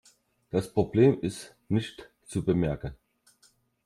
Das Problem ist nicht zu bemerken.